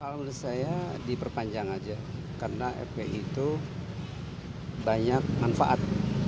menurut saya diperpanjang saja karena fpi itu banyak manfaat